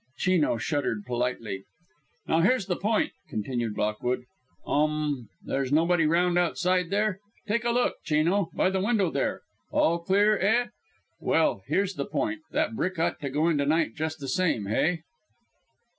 Chino shuddered politely. "Now here's the point," continued Lockwood. "Um there's nobody round outside there? Take a look, Chino, by the window there. All clear, eh? Well, here's the point. That brick ought to go in to night just the same, hey?"